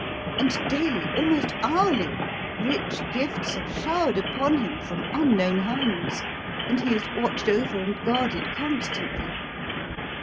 And daily, almost hourly, rich gifts are showered upon him from unknown hands, and he is watched over and guarded constantly.